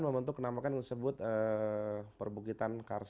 membentuk kenamakan yang disebut perbukitan kars tersebut